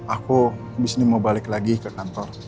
aku habis ini mau balik lagi ke kantor